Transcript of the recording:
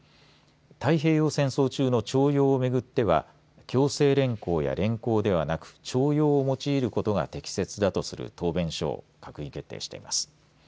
太平洋戦争中の徴用をめぐっては強制連行や連行ではなく徴用を用いることが適切だとする答弁書を閣議決定しています。